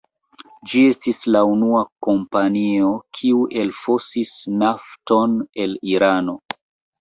Ĝi estis la unua kompanio kiu elfosis nafton el Irano.